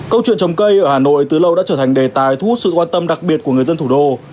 câu chuyện trồng cây ở hà nội từ lâu đã trở thành đề tài thu hút sự quan tâm đặc biệt của người dân thủ đô